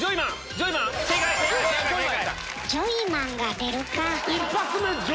ジョイマンが出るか。